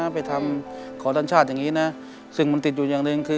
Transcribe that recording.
ขอบัตรประชาชนอย่างนี้นะซึ่งมันติดอยู่อย่างหนึ่งคือ